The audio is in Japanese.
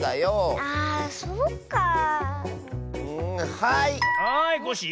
はいコッシー。